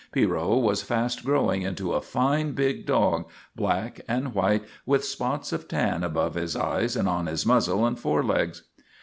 Pierrot was fast growing into a fine big dog, black and white with spots of tan above his eyes and on his muzzle and forelegs.